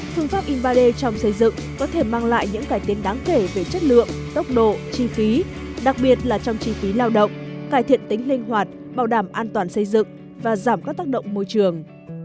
phương pháp in ba d trong xây dựng có thể mang lại những cải tiến đáng kể về chất lượng tốc độ chi phí đặc biệt là trong chi phí lao động cải thiện tính linh hoạt bảo đảm an toàn xây dựng và giảm các tác động môi trường